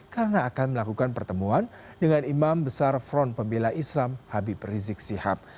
karena akan melakukan pertemuan dengan imam besar front pembela islam habib rizik syihab